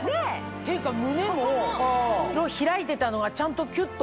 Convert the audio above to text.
っていうか胸も開いてたのがちゃんとキュっと。